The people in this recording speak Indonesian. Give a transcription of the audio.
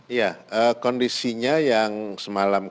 iya kondisinya yang semalam